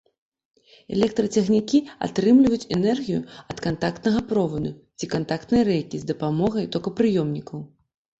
Электрацягнікі атрымліваюць энергію ад кантактнага проваду ці кантактнай рэйкі з дапамогай токапрыёмнікаў.